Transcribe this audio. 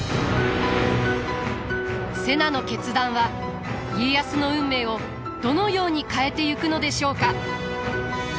瀬名の決断は家康の運命をどのように変えてゆくのでしょうか？